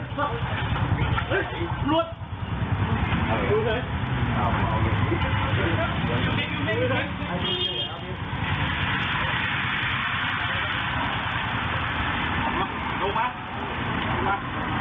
ดูมาดูมา